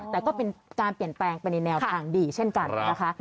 แต่ก็เป็นการเปลี่ยนแปลงไปในแนวทางดีเช่นกันนะคะ